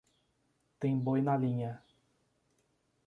Tem boi na linha